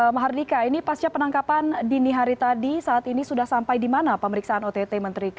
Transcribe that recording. mahardika ini pasca penangkapan dini hari tadi saat ini sudah sampai di mana pemeriksaan ott menteri kk